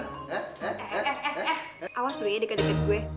eh eh eh eh awas tuh ya deket deket gue